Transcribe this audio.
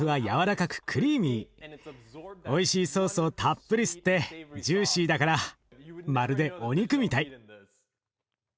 おいしいソースをたっぷり吸ってジューシーだからまるでお肉みたい。